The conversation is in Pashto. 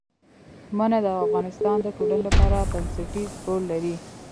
منی د افغانستان د ټولنې لپاره بنسټيز رول لري.